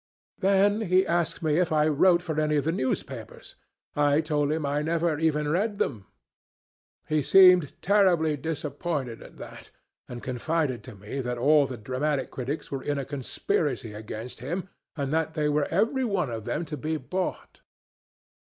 "Then he asked me if I wrote for any of the newspapers. I told him I never even read them. He seemed terribly disappointed at that, and confided to me that all the dramatic critics were in a conspiracy against him, and that they were every one of them to be bought."